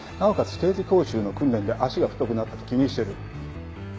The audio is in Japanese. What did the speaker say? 刑事講習の訓練で足が太くなったと気にしてる。